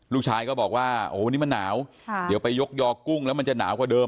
ลูกชายก็บอกว่าโอ้นี่มันหนาวเดี๋ยวไปยกยอกุ้งแล้วมันจะหนาวกว่าเดิม